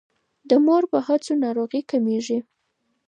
د مور په هڅو ناروغۍ کمیږي.